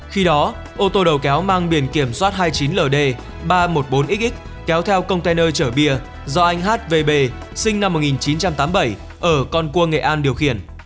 khi đó ô tô đầu kéo mang biển kiểm soát hai mươi chín ld ba trăm một mươi bốn x kéo theo container chở bia do anh hvb sinh năm một nghìn chín trăm tám mươi bảy ở con cua nghệ an điều khiển